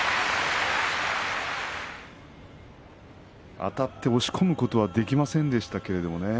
あたって押し込むことはできませんでしたけれど。